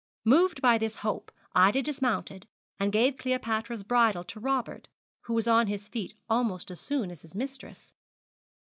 Moved by this hope, Ida dismounted, and gave Cleopatra's bridle to Robert, who was on his feet almost as soon as his mistress.